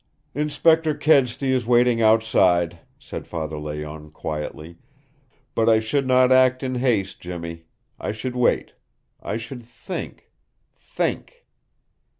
"Inspector Kedsty is waiting outside," said Father Layonne quietly, "but I should not act in haste, Jimmy. I should wait. I should think think."